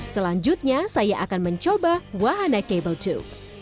selanjutnya saya akan mencoba wahana cable tube